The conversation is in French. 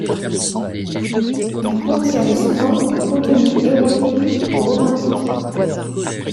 Ils contiennent souvent du contenu érotique ou romantique.